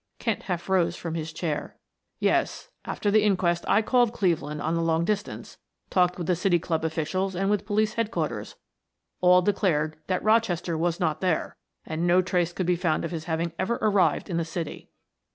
Kent half rose from his chair. "Yes. After the inquest I called Cleveland on the long distance, talked with the City Club officials and with Police Headquarters; all declared that Rochester was not there, and no trace could be found of his having ever arrived in the city."